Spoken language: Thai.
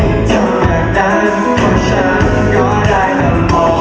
ทำอย่างนั้นก็ฉันก็ได้และโหล